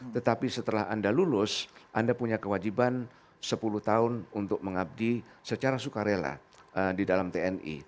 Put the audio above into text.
tetapi setelah anda lulus anda punya kewajiban sepuluh tahun untuk mengabdi secara sukarela di dalam tni